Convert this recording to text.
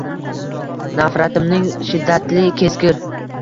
Nafratimning shiddatli, keskir